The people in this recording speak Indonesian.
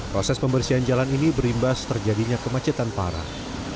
proses pembersihan jalan ini berimbas terjadinya kemacetan parah